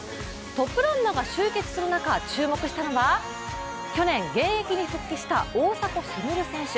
トップランナーが集結する中注目したのは去年現役に復帰した大迫傑選手。